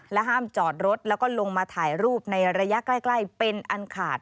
ห้ามจอดรถแล้วก็ลงมาถ่ายรูปในระยะใกล้เป็นอันขาด